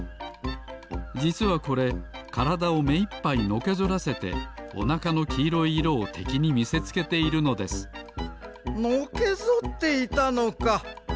じつはこれからだをめいっぱいのけぞらせておなかのきいろい色をてきにみせつけているのですのけぞっていたのか。